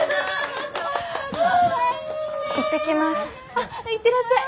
あっ行ってらっしゃい。